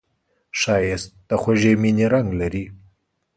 ښایست د خوږې مینې رنګ لري